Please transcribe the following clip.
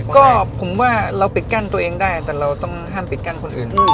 ก็ผมว่าเราปิดกั้นตัวเองได้แต่เราต้องห้ามปิดกั้นคนอื่น